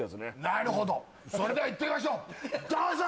なるほどそれではいってみましょうどうぞ！